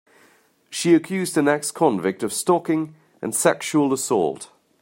She accused an ex-convict of stalking and sexual assault.